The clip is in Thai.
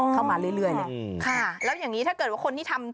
ก็เหนื่อยเหรอค่ะ